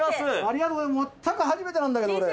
全く初めてなんだけど俺。